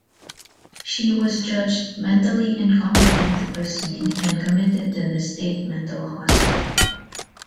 She was judged "mentally incompetent to proceed" and committed to the state mental hospital.